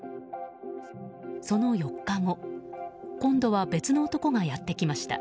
その４日後今度は別の男がやってきました。